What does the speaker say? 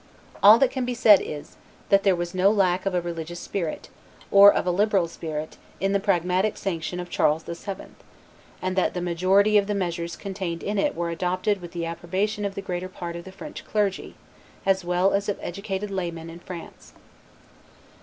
All that can be said is, that there was no lack of a religious spirit, or of a liberal spirit, in the Pragmatic Sanction of Charles VII., and that the majority of the measures contained in it were adopted with the approbation of the greater part of the French clergy, as well as of educated laymen in France.